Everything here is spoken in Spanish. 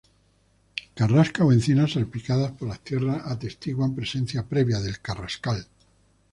Carrascas o encinas salpicadas por las sierras atestiguan presencia previa del carrascal.